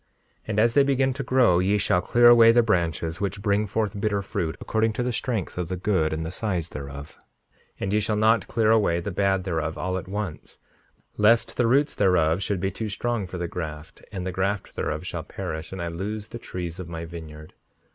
5:65 And as they begin to grow ye shall clear away the branches which bring forth bitter fruit, according to the strength of the good and the size thereof; and ye shall not clear away the bad thereof all at once, lest the roots thereof should be too strong for the graft, and the graft thereof shall perish, and I lose the trees of my vineyard.